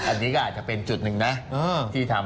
อันนี้ก็อาจจะเป็นจุดนึงนะ